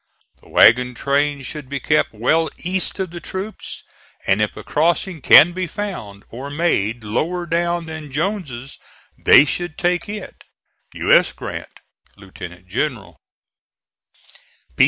The wagon trains should be kept well east of the troops, and if a crossing can be found, or made lower down than Jones's they should take it. U. S. GRANT, Lieut. General.